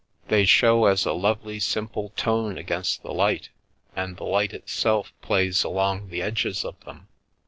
They show as a lovely simple tone against the light, and the light itself plays along the edges of them.